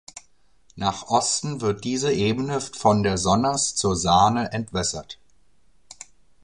Nach Osten wird diese Ebene von der Sonnaz zur Saane entwässert.